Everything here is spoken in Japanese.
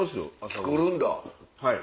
作るんだ。